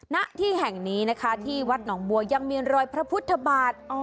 ณที่แห่งนี้นะคะที่วัดหนองบัวยังมีรอยพระพุทธบาท